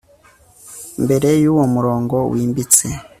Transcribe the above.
Mbere yuwo murongo wimbitse